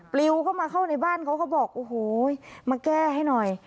ปลิวเข้ามาเข้าในบ้านเขาเขาบอกโอ้โหมาแก้ให้หน่อย